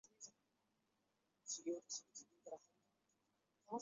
我们不在家的时候